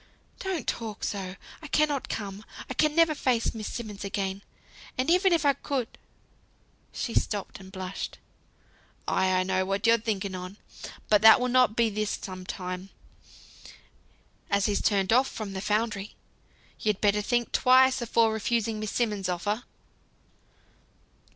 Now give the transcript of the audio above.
"Don't talk so; I cannot come, I can never face Miss Simmonds again. And even if I could " she stopped, and blushed. "Ay! I know what you're thinking on. But that will not be this some time, as he's turned off from the foundry, you'd better think twice afore refusing Miss Simmonds' offer."